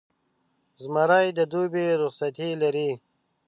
زمری د دوبي رخصتۍ لري.